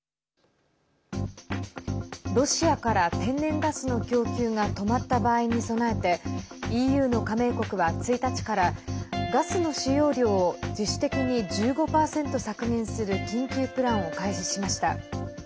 ロシアから天然ガスの供給が止まった場合に備えてＥＵの加盟国は１日からガスの使用量を自主的に１５％削減する緊急プランを開示しました。